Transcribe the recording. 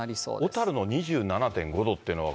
小樽の２７．５度っていうのは。